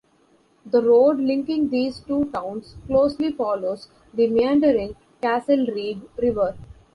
The road linking these two towns closely follows the meandering Castlereagh River.